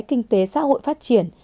kinh tế xã hội phát triển